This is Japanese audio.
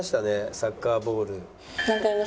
サッカーボール。